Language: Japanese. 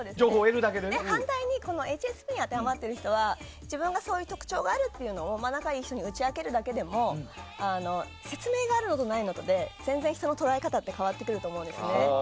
反対にＨＳＰに当てはまっている人は自分にそういう特徴があるっていうのを仲いい人に打ち明けるだけでも説明があるのとないので人の捉え方は全然変わってくるんです。